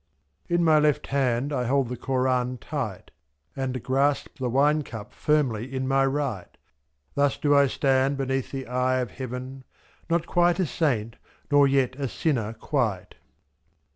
In my left hand I hold the Koran tight, And grasp the wine cup firmly in my right — /A?.Thus do I stand beneath the eye of heaven. Not quite a saint, nor yet a sinner quite.